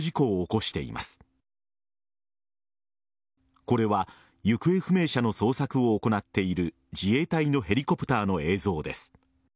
これは行方不明者の捜索を行っている自衛隊のヘリコプターの映像です。